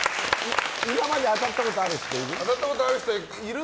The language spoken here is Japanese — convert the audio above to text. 今まで当たったことある人いる？